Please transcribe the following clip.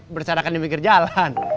bersarakan di minggir jalan